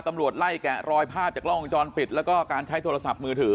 ตำรวจไล่แกะรอยภาพจากกล้องวงจรปิดแล้วก็การใช้โทรศัพท์มือถือ